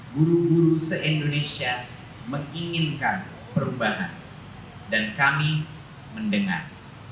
guru guru se indonesia menginginkan perubahan dan kami mendengar